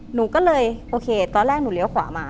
หนูก็เลยโอเคตอนแรกหนูเลี้ยวขวามา